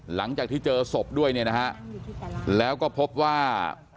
หลังจากที่เจอศพด้วยแล้วก็พบว่า